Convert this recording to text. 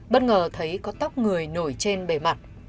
bất ngờ thấy có tóc người nổi trên bề mặt